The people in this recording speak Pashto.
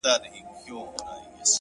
سیاه پوسي ده. جنگ دی جدل دی.